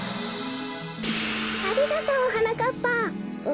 ありがとうはなかっぱ。